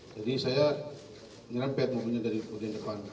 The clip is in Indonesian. jadi saya nyerempet mobilnya dari depan